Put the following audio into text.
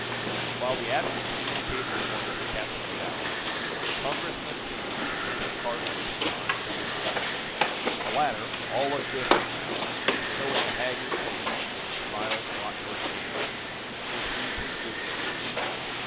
While the admiral communicated at once with Captain Magowan, Congressman Simms sent his card up to John C. Rhinds. The latter, all a quiver, now, and showing a haggard face in which smiles fought for a chance, received his visitor.